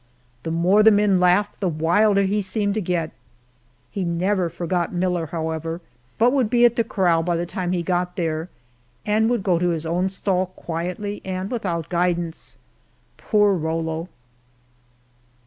The more the men laughed the wilder he seemed to get. He never forgot Miller, however, but would be at the corral by the time he got there, and would go to his own stall quietly and without guidance. Poor Rollo!